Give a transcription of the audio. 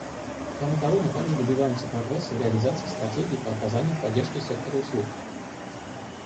Кроме того, мы также добиваемся прогресса в реализации стратегий по оказанию поддержки сектору услуг.